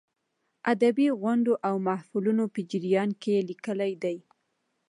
ادبي غونډو او محفلونو په جریان کې یې لیکلې دي.